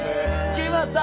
決まった！